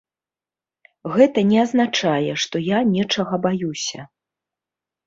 Гэта не азначае, што я нечага баюся.